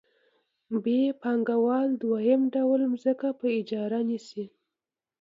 ب پانګوال دویم ډول ځمکه په اجاره نیسي